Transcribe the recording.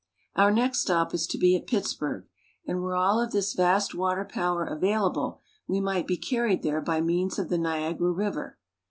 Our next stop is to be at Pittsburg, and were all of this vast water power available, we might be carried there by means of the Niagara River.